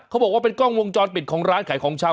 เขาบอกว่าเป็นกล้องวงจรปิดของร้านขายของชำ